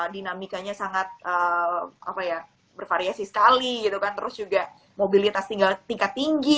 dinamikanya sangat bervariasi sekali gitu kan terus juga mobilitas tinggal tingkat tinggi